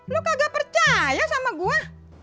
lu kagak percaya sama gua